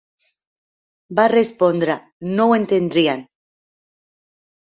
Va respondre: «No ho entendrien»